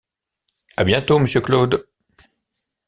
À bientôt, monsieur Claude!